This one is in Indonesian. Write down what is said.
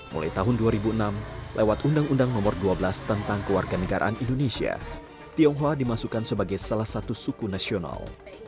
mulai tahun dua ribu enam lewat undang undang nomor dua belas tentang keluarga negaraan indonesia tionghoa dimasukkan sebagai salah satu suku nasional